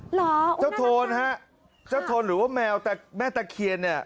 เหรอเจ้าโทนฮะเจ้าโทนหรือว่าแมวแต่แม่ตะเคียนเนี่ย